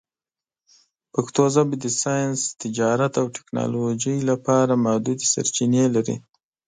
پښتو ژبه د ساینس، تجارت، او ټکنالوژۍ لپاره محدودې سرچینې لري.